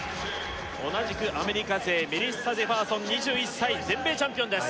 同じくアメリカ勢メリッサ・ジェファーソン２１歳全米チャンピオンです